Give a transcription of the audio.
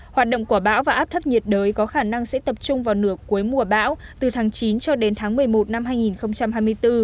hoạt động của bão và áp thấp nhiệt đới có khả năng sẽ tập trung vào nửa cuối mùa bão từ tháng chín cho đến tháng một mươi một năm hai nghìn hai mươi bốn